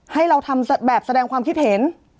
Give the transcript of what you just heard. ให้เราทำแบบแสดงความคิดเห็น